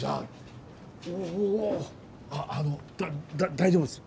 おだ大丈夫です。